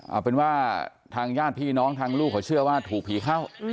เอาเป็นว่าทางญาติพี่น้องทางลูกเขาเชื่อว่าถูกผีเข้า